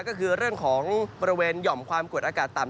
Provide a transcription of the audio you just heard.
ก็คือเรื่องของบริเวณหย่อมความกดอากาศต่ำ